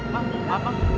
pak pak pak